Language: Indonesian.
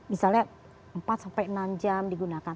misalnya empat sampai enam jam digunakan